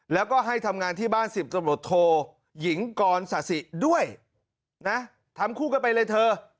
แล้วก็ให้ทำงานที่บ้าน๑๐ตำรวจโทยิงกรศาสิด้วยนะทำคู่กันไปเลยเธอ